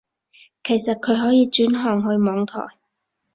其實佢可以轉行去網台